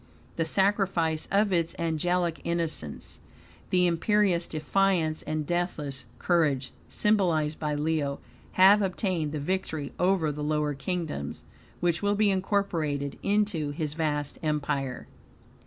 The sacrifice of its angelic innocence, the imperious defiance and deathless courage, symbolized by Leo, have obtained the victory over the lower kingdoms; which will be incorporated into his vast empire.